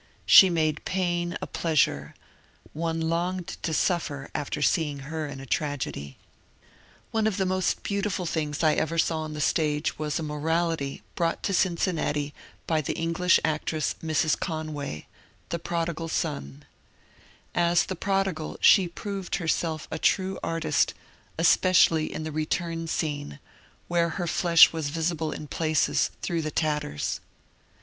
She made pain a pleasure ; one longed to suffer after seeing her in a tragedy. FANNY KEMBLE 269 One of the most beautiful things I ever saw on the stage was a '^ morality " brought to Cincinnati by the English ac tress Mrs. Conway, " The Prodigal Son," As the Prodigal she proved herself a true artist, especially in the ^^ return " scene, where her flesh was visible in places through the tatters.